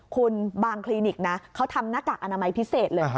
คุณบางคลินิกนะเขาทำหน้ากากอนามัยพิเศษเลย